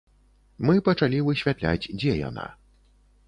Мы пачалі высвятляць, дзе яна.